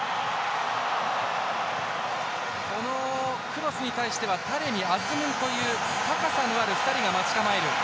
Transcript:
クロスに対してはタレミ、アズムンという高さのある２人が待ち構える。